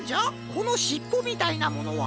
このしっぽみたいなものは。